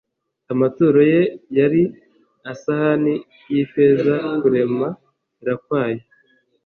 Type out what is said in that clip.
amaturo ye yari isahani y ifeza kurem ra kwayo